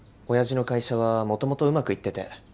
親父の会社はもともとうまくいってて。